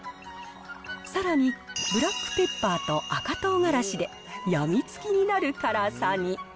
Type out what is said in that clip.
さらにブラックペッパーと赤唐辛子で、病みつきになる辛さに。